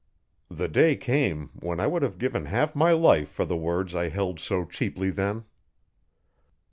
The day came when I would have given half my life for the words I held so cheaply then.